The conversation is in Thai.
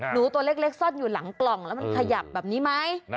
หนูตัวเล็กซ่อนอยู่หลังกล่องแล้วมันขยับแบบนี้ไหม